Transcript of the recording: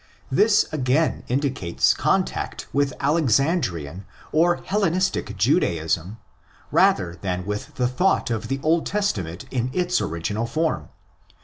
This again indicates contact with Alexandrian or Hellenistic Judaism rather than with the thought of the Old Testament in its original form.